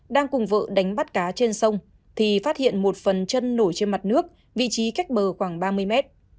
đang cùng vợ đánh bắt cá trên sông thì phát hiện một phần chân nổi trên mặt nước vị trí cách bờ khoảng ba mươi mét